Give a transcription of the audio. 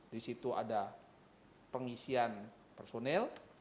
di situ ada pengisian personel